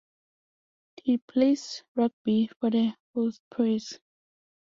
He plays rugby for the Ospreys.